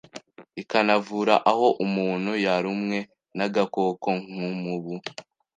ikanavura aho umuntu yarumwe n’agakoko nk’umubu